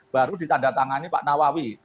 baru ditandatangani pak nawawi